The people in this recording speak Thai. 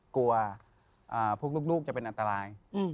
กลัวพวกลูกจะเป็นอันตราย